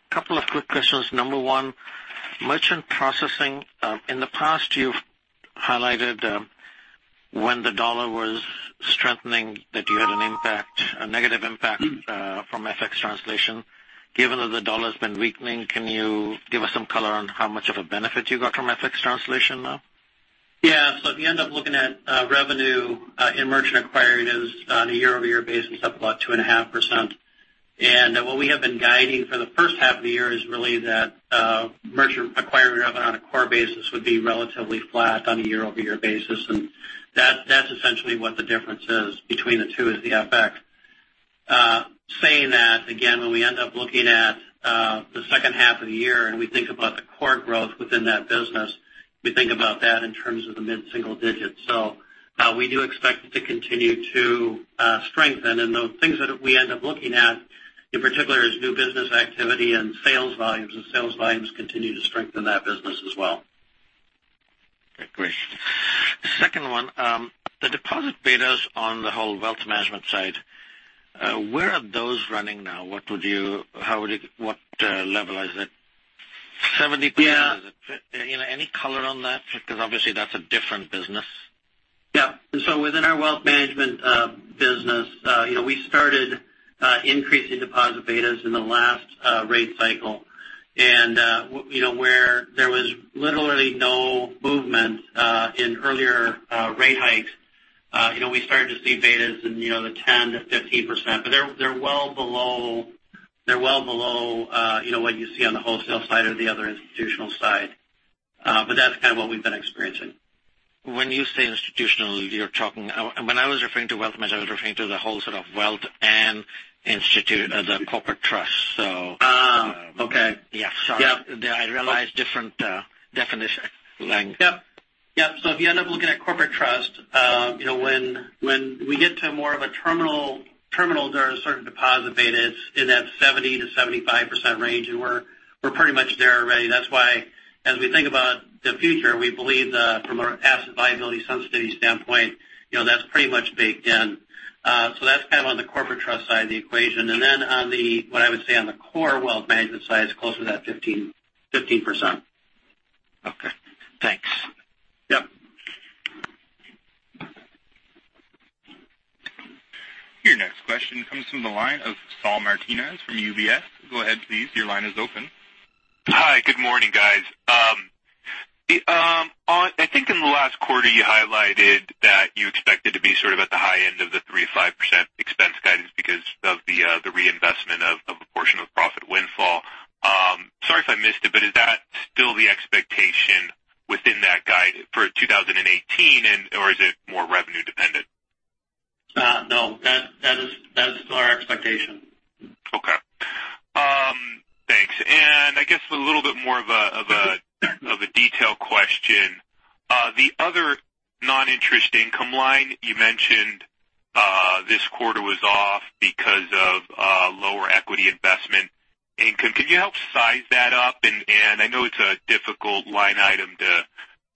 Couple of quick questions. Number 1, merchant processing. In the past you've highlighted when the dollar was strengthening that you had a negative impact from FX translation. Given that the dollar's been weakening, can you give us some color on how much of a benefit you got from FX translation now?
Yeah. If you end up looking at revenue in merchant acquired is on a year-over-year basis, up about 2.5%. What we have been guiding for the first half of the year is really that merchant acquired revenue on a core basis would be relatively flat on a year-over-year basis. That's essentially what the difference is between the two is the FX. Saying that, again, when we end up looking at the second half of the year and we think about the core growth within that business, we think about that in terms of the mid-single digits. We do expect it to continue to strengthen. The things that we end up looking at in particular is new business activity and sales volumes, and sales volumes continue to strengthen that business as well.
Great. Second one, the deposit betas on the whole wealth management side, where are those running now? What level is it? 70%?
Yeah.
Any color on that? Obviously that's a different business.
Yeah. Within our wealth management business, we started increasing deposit betas in the last rate cycle, and where there was literally no movement in earlier rate hikes. We started to see betas in the 10%-15%, but they're well below what you see on the wholesale side or the other institutional side. That's kind of what we've been experiencing.
When you say institutional, and when I was referring to wealth management, I was referring to the whole sort of wealth and corporate trust.
Okay.
Yeah. Sorry.
Yeah.
I realize different (definition length).
Yep. If you end up looking at corporate trust when we get to more of a terminal, there are certain deposit betas in that 70%-75% range, and we're pretty much there already. That's why as we think about the future, we believe that from our asset liability sensitivity standpoint, that's pretty much baked in. That's kind of on the corporate trust side of the equation. Then what I would say on the core wealth management side is closer to that 15%.
Okay, thanks.
Yeah.
Your next question comes from the line of Saul Martinez from UBS. Go ahead please. Your line is open.
Hi. Good morning, guys. I think in the last quarter you highlighted that you expected to be sort of at the high end of the 3%-5% expense guidance because of the reinvestment of a portion of profit windfall. Sorry if I missed it, is that still the expectation within that guide for 2018 or is it more revenue dependent?
No, that is our expectation.
Okay. Thanks. I guess a little bit more of a detail question. The other non-interest income line you mentioned this quarter was off because of lower equity investment income. Can you help size that up? I know it's a difficult line item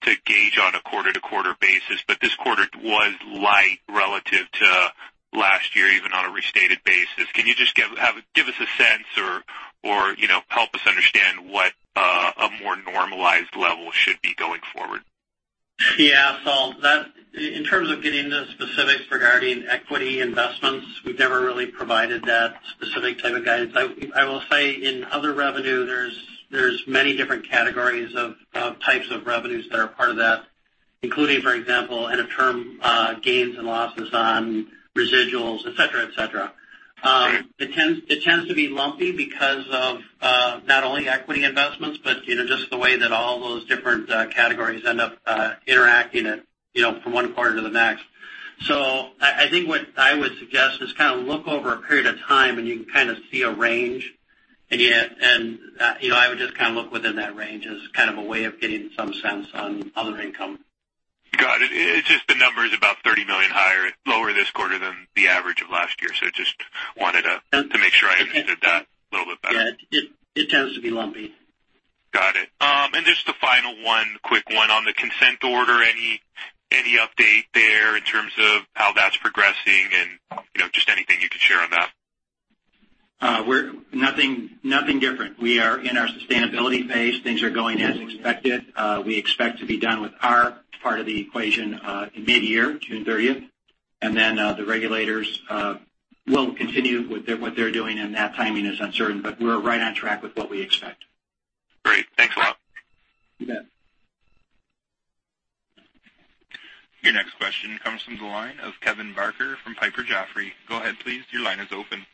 to gauge on a quarter-over-quarter basis, but this quarter was light relative to last year, even on a restated basis. Can you just give us a sense or help us understand what a more normalized level should be going forward?
Yeah, Saul, in terms of getting into specifics regarding equity investments, we've never really provided that specific type of guidance. I will say in other revenue, there's many different categories of types of revenues that are part of that, including, for example, end of term gains and losses on residuals, et cetera. It tends to be lumpy because of not only equity investments, but just the way that all those different categories end up interacting from one quarter to the next. I think what I would suggest is kind of look over a period of time and you can kind of see a range and I would just kind of look within that range as kind of a way of getting some sense on other income.
Got it. It's just the number is about $30 million lower this quarter than the average of last year. Just wanted to make sure I understood that a little bit better.
Yeah, it tends to be lumpy.
Got it. Just a final one, quick one on the consent order. Any update there in terms of how that's progressing? Just anything you could share on that.
Nothing different. We are in our sustainability phase. Things are going as expected. We expect to be done with our part of the equation in mid-year, June 30th, and then the regulators will continue with what they're doing, and that timing is uncertain, but we're right on track with what we expect.
Great. Thanks a lot.
You bet.
Your next question comes from the line of Kevin Barker from Piper Jaffray. Go ahead please. Your line is open.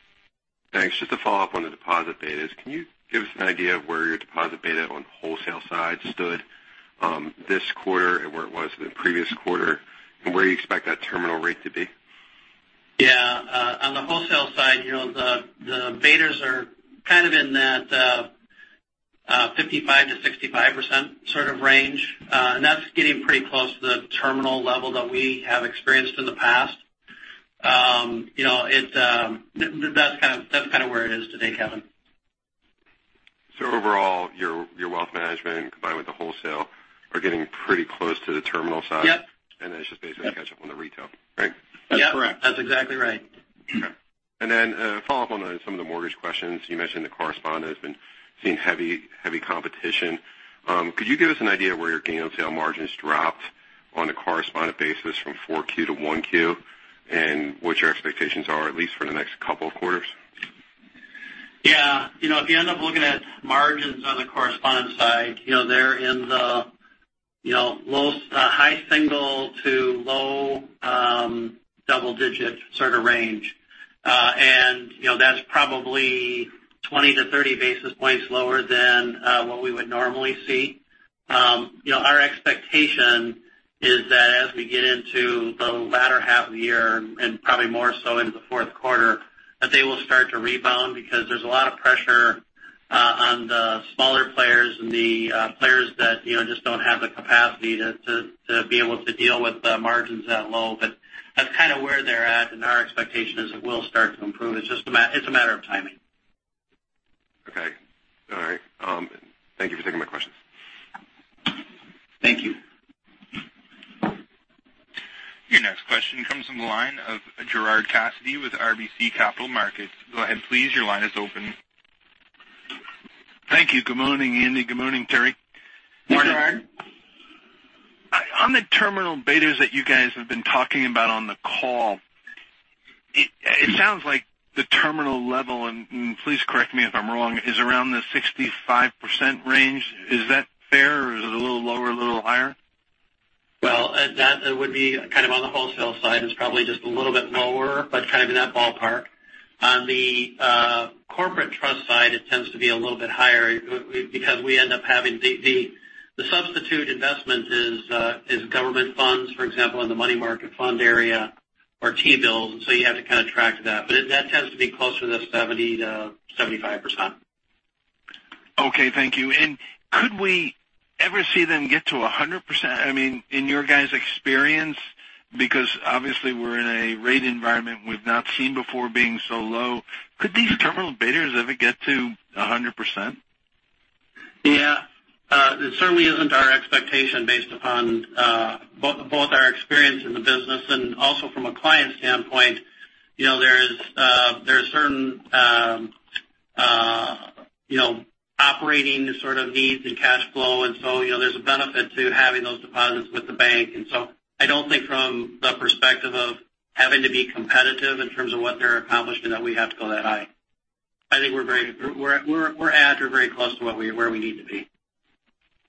Thanks. Just to follow up on the deposit betas, can you give us an idea of where your deposit beta on the wholesale side stood this quarter and where it was the previous quarter, and where you expect that terminal rate to be?
Yeah. On the wholesale side, the betas are kind of in that 55%-65% sort of range. That's getting pretty close to the terminal level that we have experienced in the past. That's kind of where it is today, Kevin.
Overall, your wealth management combined with the wholesale are getting pretty close to the terminal side.
Yep.
It's just basically catch up on the retail, right?
That's correct. That's exactly right.
Okay. Follow-up on some of the mortgage questions. You mentioned the correspondent has been seeing heavy competition. Could you give us an idea of where your gain on sale margins dropped on a correspondent basis from 4Q to 1Q, and what your expectations are, at least for the next couple of quarters?
Yeah. If you end up looking at margins on the correspondent side, they're in the high single to low double digit sort of range. That's probably 20-30 basis points lower than what we would normally see. Our expectation is that as we get into the latter half of the year, and probably more so into the fourth quarter, that they will start to rebound because there's a lot of pressure on the smaller players and the players that just don't have the capacity to be able to deal with the margins that low. That's kind of where they're at, and our expectation is it will start to improve. It's a matter of timing.
Okay. All right. Thank you for taking my questions.
Thank you.
Your next question comes from the line of Gerard Cassidy with RBC Capital Markets. Go ahead, please. Your line is open.
Thank you. Good morning, Andy. Good morning, Terry.
Morning.
Gerard.
On the terminal betas that you guys have been talking about on the call, it sounds like the terminal level, and please correct me if I'm wrong, is around the 65% range. Is that fair, or is it a little lower, a little higher?
That would be kind of on the wholesale side. It's probably just a little bit lower, but kind of in that ballpark. On the corporate trust side, it tends to be a little bit higher because we end up having the substitute investment is government funds, for example, in the money market fund area or T-bills. You have to kind of track that. That tends to be closer to the 70%-75%.
Thank you. Could we ever see them get to 100%? I mean, in your guys' experience, because obviously we're in a rate environment we've not seen before being so low, could these terminal betas ever get to 100%?
Yeah. It certainly isn't our expectation based upon both our experience in the business and also from a client standpoint. There are certain operating sort of needs and cash flow, there's a benefit to having those deposits with the bank. I don't think from the perspective of having to be competitive in terms of what they're accomplishing, that we have to go that high. I think we're at or very close to where we need to be.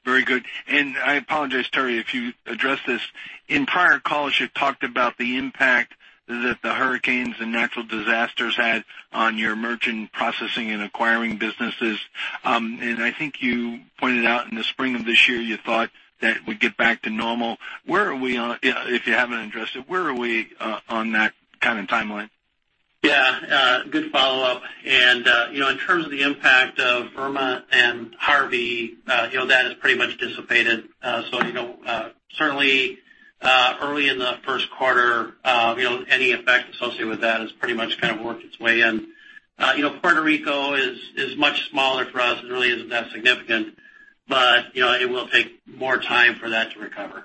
Very good. I apologize, Terry, if you addressed this. In prior calls, you've talked about the impact that the hurricanes and natural disasters had on your merchant processing and acquiring businesses. I think you pointed out in the spring of this year, you thought that it would get back to normal. If you haven't addressed it, where are we on that kind of timeline?
Yeah. Good follow-up. In terms of the impact of Irma and Harvey, that has pretty much dissipated. Certainly, early in the first quarter, any effect associated with that has pretty much kind of worked its way in. Puerto Rico is much smaller for us and really isn't that significant, but it will take more time for that to recover.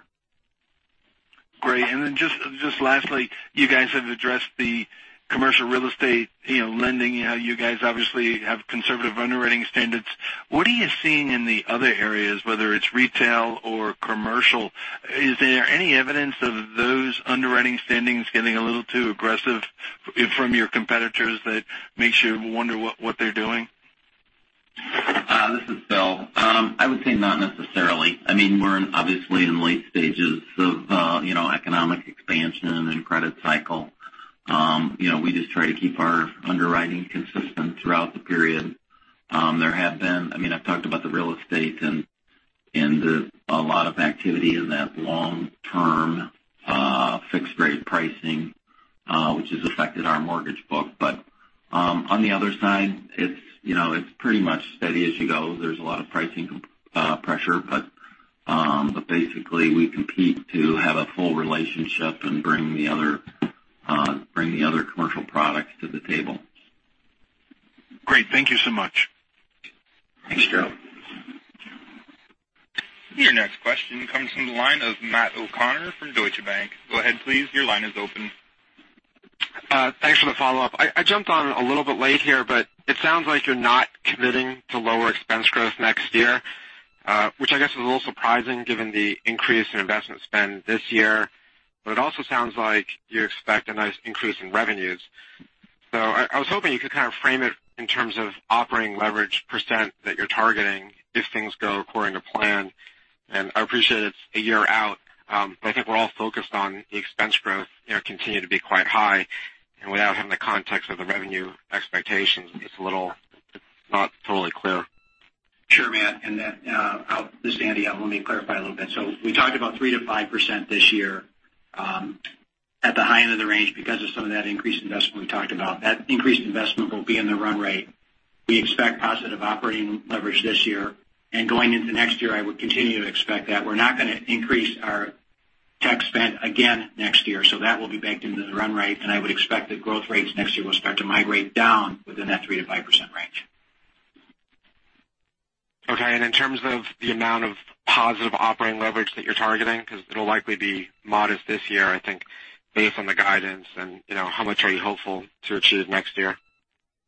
Great. Just lastly, you guys have addressed the commercial real estate lending. You guys obviously have conservative underwriting standards. What are you seeing in the other areas, whether it's retail or commercial? Is there any evidence of those underwriting standards getting a little too aggressive from your competitors that makes you wonder what they're doing?
This is Bill. I would say not necessarily. We're obviously in late stages of economic expansion and credit cycle. We just try to keep our underwriting consistent throughout the period. I've talked about the real estate and a lot of activity in that long term fixed rate pricing, which has affected our mortgage book. On the other side, it's pretty much steady as you go. There's a lot of pricing pressure, but basically, we compete to have a full relationship and bring the other commercial products to the table.
Great. Thank you so much.
Thanks, Gerard.
Your next question comes from the line of Matt O'Connor from Deutsche Bank. Go ahead, please. Your line is open.
Thanks for the follow-up. I jumped on a little bit late here, but it sounds like you're not committing to lower expense growth next year, which I guess is a little surprising given the increase in investment spend this year. It also sounds like you expect a nice increase in revenues. I was hoping you could kind of frame it in terms of operating leverage % that you're targeting if things go according to plan. I appreciate it's a year out, but I think we're all focused on the expense growth continue to be quite high. Without having the context of the revenue expectations, it's not totally clear.
Sure, Matt, and then this is Andy. Let me clarify a little bit. We talked about 3%-5% this year at the high end of the range because of some of that increased investment we talked about. That increased investment will be in the run rate. We expect positive operating leverage this year. Going into next year, I would continue to expect that. We're not going to increase our tech spend again next year, that will be baked into the run rate. I would expect that growth rates next year will start to migrate down within that 3%-5% range.
Okay. In terms of the amount of positive operating leverage that you're targeting, because it'll likely be modest this year, I think based on the guidance, how much are you hopeful to achieve next year?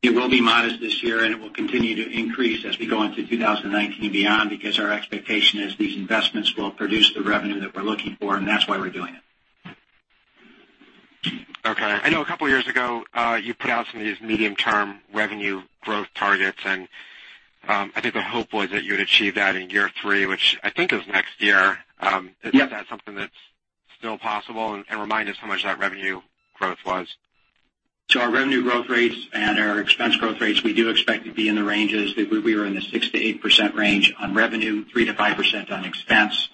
It will be modest this year. It will continue to increase as we go into 2019 beyond, because our expectation is these investments will produce the revenue that we're looking for. That's why we're doing it.
Okay. I know a couple of years ago, you put out some of these medium-term revenue growth targets. I think the hope was that you would achieve that in year three, which I think is next year.
Yep.
Is that something that's still possible? Remind us how much that revenue growth was.
Our revenue growth rates and our expense growth rates, we do expect to be in the ranges. We were in the 6%-8% range on revenue, 3%-5% on expense.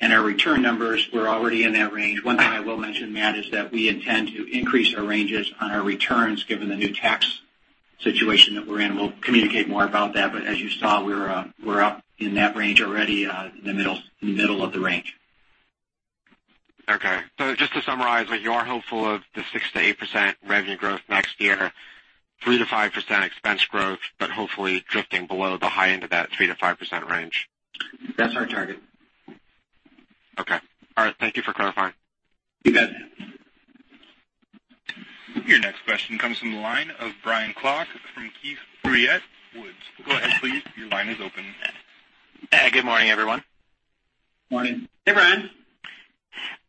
Our return numbers were already in that range. One thing I will mention, Matt, is that we intend to increase our ranges on our returns given the new tax situation that we're in. We'll communicate more about that. As you saw, we're up in that range already, in the middle of the range.
Okay. just to summarize, you are hopeful of the 6%-8% revenue growth next year, 3%-5% expense growth, but hopefully drifting below the high end of that 3%-5% range.
That's our target.
Okay. All right. Thank you for clarifying.
You bet.
Your next question comes from the line of Brian Klock from Keefe, Bruyette & Woods. Go ahead, please. Your line is open.
Good morning, everyone.
Morning.
Hey, Brian.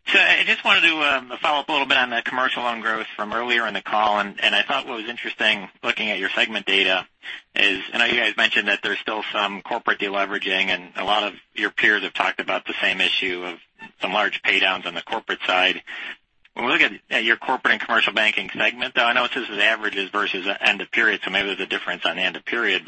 I just wanted to follow up a little bit on the commercial loan growth from earlier in the call. I thought what was interesting looking at your segment data is, I know you guys mentioned that there's still some corporate de-leveraging and a lot of your peers have talked about the same issue of some large pay downs on the corporate side. When we look at your corporate and commercial banking segment, though, I know this is averages versus end of period, so maybe there's a difference on end of period.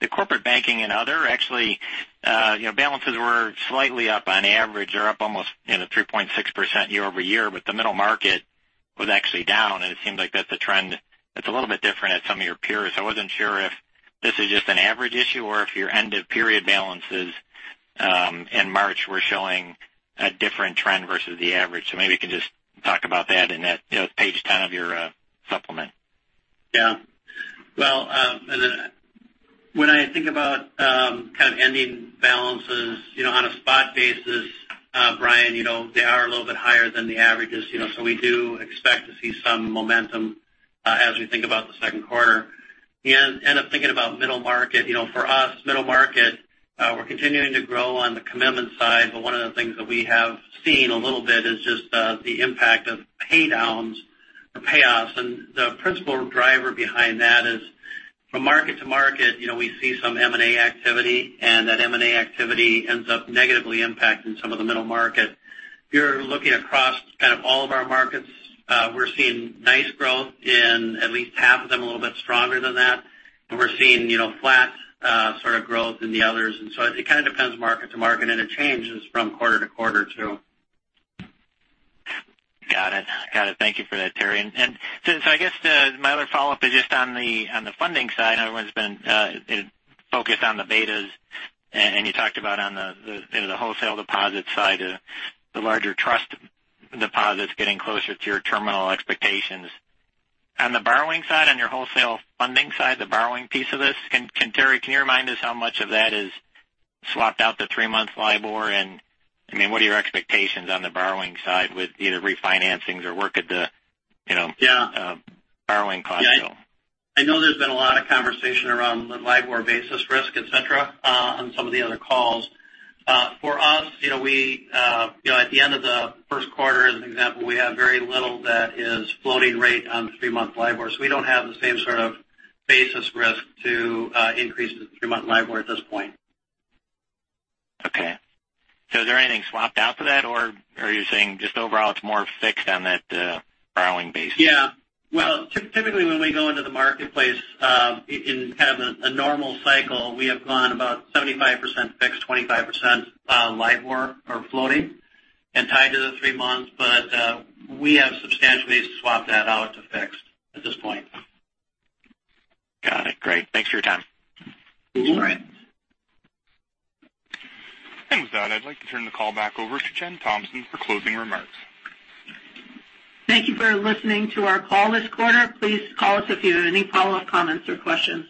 The corporate banking and other actually balances were slightly up on average. They're up almost 3.6% year-over-year, but the middle market was actually down, and it seems like that's a trend that's a little bit different at some of your peers. I wasn't sure if this is just an average issue or if your end of period balances in March were showing a different trend versus the average. Maybe you can just talk about that in that page 10 of your supplement.
Well, when I think about kind of ending balances on a spot basis, Brian, they are a little bit higher than the averages. We do expect to see some momentum as we think about the second quarter. Thinking about middle market, for us, middle market, we're continuing to grow on the commitment side. One of the things that we have seen a little bit is just the impact of pay downs or payoffs. The principal driver behind that is from market to market, we see some M&A activity, and that M&A activity ends up negatively impacting some of the middle market. If you're looking across kind of all of our markets, we're seeing nice growth in at least half of them, a little bit stronger than that. We're seeing flat sort of growth in the others. It kind of depends market to market, and it changes from quarter to quarter, too.
Got it. Thank you for that, Terry. I guess my other follow-up is just on the funding side. Everyone's been focused on the betas, and you talked about on the wholesale deposit side, the larger trust deposits getting closer to your terminal expectations. On the borrowing side, on your wholesale funding side, the borrowing piece of this, Terry, can you remind us how much of that is swapped out to three-month LIBOR? What are your expectations on the borrowing side with either refinancings or work at the-
Yeah
borrowing cost, Bill?
I know there's been a lot of conversation around the LIBOR basis risk, et cetera, on some of the other calls. For us, at the end of the first quarter, as an example, we have very little that is floating rate on the three-month LIBOR. We don't have the same sort of basis risk to increases in three-month LIBOR at this point.
Okay. Is there anything swapped out for that? Are you saying just overall it's more fixed on that borrowing base?
Yeah. Well, typically when we go into the marketplace in kind of a normal cycle, we have gone about 75% fixed, 25% LIBOR or floating and tied to the three months. We have substantially swapped that out to fixed at this point.
Got it. Great. Thanks for your time.
All right.
With that, I'd like to turn the call back over to Jen Thompson for closing remarks.
Thank you for listening to our call this quarter. Please call us if you have any follow-up comments or questions.